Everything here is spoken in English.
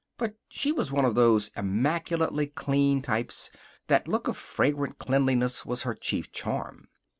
But she was one of those immaculately clean types. That look of fragrant cleanliness was her chief charm.